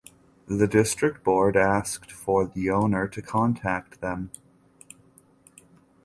The district board asked for the owner to contact them.